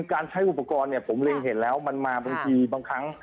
การใช้อุปกรณ์เนี่ยผมเล็งเห็นแล้วมันมาบางทีบางครั้ง